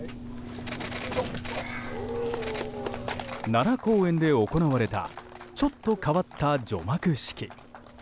奈良公園で行われたちょっと変わった除幕式。